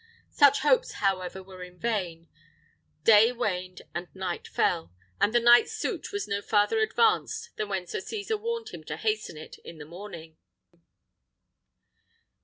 Such hopes, however, were in vain: day waned and night fell, and the knight's suit was no farther advanced than when Sir Cesar warned him to hasten it in the morning.